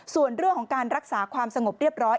ส่วนเรื่องของการรักษาความสงบเรียบร้อย